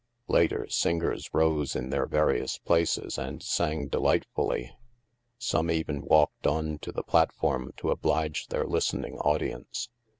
Later, singers rose in their various places and sang delightfully. Some even walked on to the 320 THE MASK platform to oblige their listening audience.